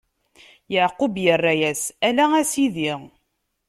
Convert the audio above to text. Yeɛqub irra-yas: Ala, a sidi!